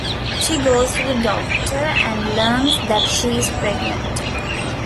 She goes to the doctor and learns that she is pregnant.